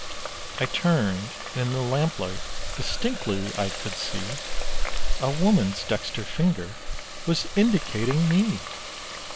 I turned, and in the lamplight, distinctly I could see, A woman's dexter finger, was indicating me!